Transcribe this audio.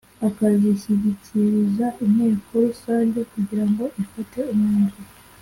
akazishyikiriza inteko rusange kugirango ifate umwanzuro